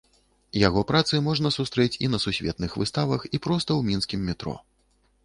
Яго працы можна сустрэць і на сусветных выставах, і проста ў мінскім метро.